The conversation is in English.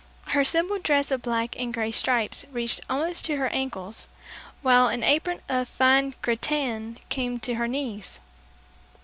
Her simple dress of black and gray stripes reached almost to her ankles, while an apron of fine cretonne came to her knees.